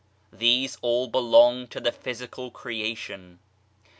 These all belong to the physical creation.